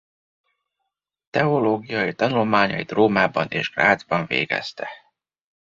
Teológiai tanulmányait Rómában és Grazban végezte.